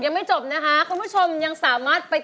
เพลงที่เจ็ดเพลงที่แปดแล้วมันจะบีบหัวใจมากกว่านี้